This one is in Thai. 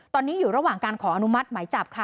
ตอนนี้อยู่ระหว่างการขออนุมัติหมายจับค่ะ